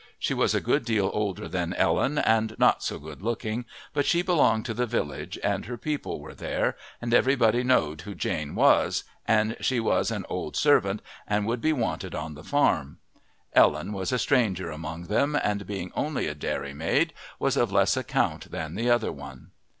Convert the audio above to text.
She was a good deal older than Ellen and not so good looking, but she belonged to the village and her people were there, and everybody knowed who Jane was, an' she was an old servant an' would be wanted on the farm. Ellen was a stranger among them, and being only a dairymaid was of less account than the other one.